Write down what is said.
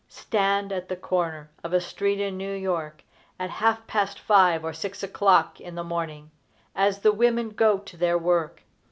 Stand at the corner of a street in New York at half past five or six o'clock in the morning, as the women go to their work.